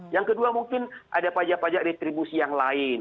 yang kedua mungkin ada pajak pajak retribusi yang lain